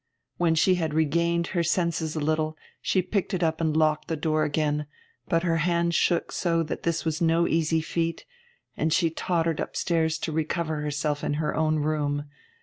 When she had regained her senses a little, she picked it up and locked the door again; but her hand shook so that this was no easy feat, and she tottered upstairs to recover herself in her own room.